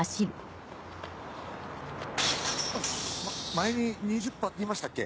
前に２０パーって言いましたっけ？